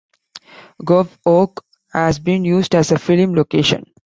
Goffs Oak has been used as a film location.